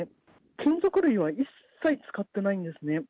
金属類は一切使ってないんですね。